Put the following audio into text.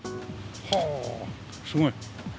はー、すごい。